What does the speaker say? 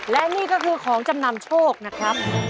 และนี่ก็คือของจำนำโชคนะครับ